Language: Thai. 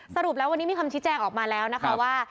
สรุปแล้ววันนี้มีคำชี้แจงออกมาแล้วนะคะว่า